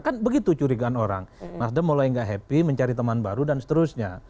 kan begitu curigaan orang nasdem mulai gak happy mencari teman baru dan seterusnya